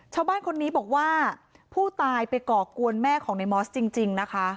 ชาวบ้านคนนี้บอกว่าผู้ตายไปก่อกวนแม่ของในมอสจริงนะคะ